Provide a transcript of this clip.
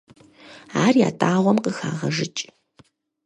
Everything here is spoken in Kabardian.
Ар ятӀагъуэм къыхагъэжыкӀ.